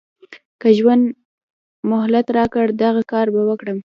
که ژوند مهلت راکړ دغه کار به وکړم.